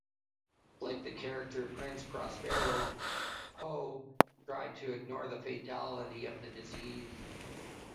Like the character Prince Prospero, Poe tried to ignore the fatality of the disease.